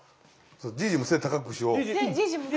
じいじも背高くしよう！